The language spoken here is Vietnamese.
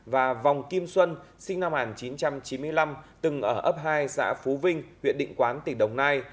và vòng kim xuân sinh năm một nghìn chín trăm chín mươi năm từng ở ấp hai xã phú vinh huyện định quán tỉnh đồng nai